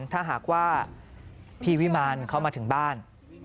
ถ้าหากว่าพี่วิมารเขามาถึงบ้าน